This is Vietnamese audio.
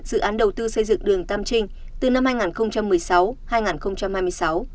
dự án đầu tư xây dựng đường tam trinh từ năm hai nghìn một mươi sáu hai nghìn hai mươi sáu